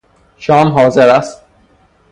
شام حاضر است.